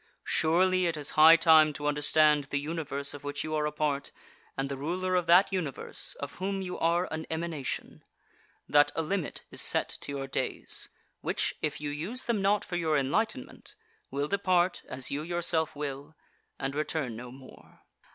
Surely it is high time to understand the Universe of which you are a part, and the Ruler of that Universe, of whom you are an emanation; that a limit is set to your days, which, if you use them not for your enlightenment, will depart, as you yourself will, and return no more.